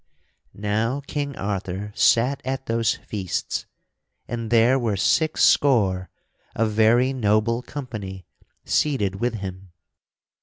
Now King Arthur sat at those feasts and there were six score of very noble company seated with him.